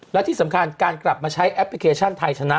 และที่สำคัญการกลับมาใช้แอปพลิเคชันไทยชนะ